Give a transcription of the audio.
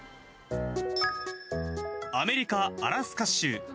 アメリカ・アラスカ州。